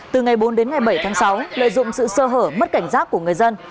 từ ngày bốn đến ngày bảy tháng sáu lợi dụng sự sơ hở mất cảnh giác của người dân